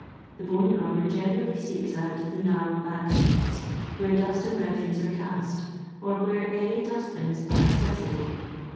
The bone grubber generally seeks out the narrow back streets, where dust and refuse are cast, or where any dust bins are accessible.